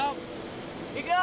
いくよ。